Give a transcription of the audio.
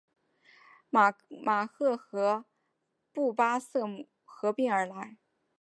卡赫和布拉瑟姆合并而来。